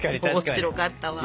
面白かったわ。